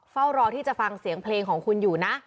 เฝ้ารอที่จะฟังเสียงเพลงของคุณอยู่นะ